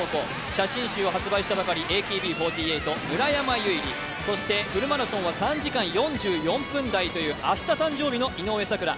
写真集を発売したばかりＡＫＢ４８、村山彩希、フルマラソンは３時間４４分台という明日誕生日の井上咲楽。